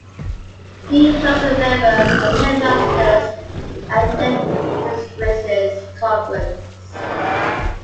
Dean Close is a member of the Headmasters' and Headmistresses' Conference.